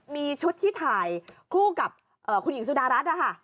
มีชุดที่ถ่ายคู่กับคุณหญิงสุดารัฐนะคะ